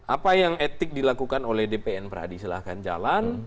apa yang etik dilakukan oleh dpn prahadi silahkan jalan